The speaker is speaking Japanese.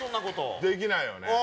できないよね。